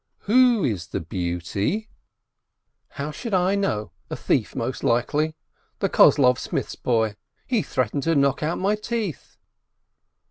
"Who is the beauty?" 554 BERKOWITZ "How should I know? A thief most likely. The Kozlov smith's boy. He threatened to knock out my teeth."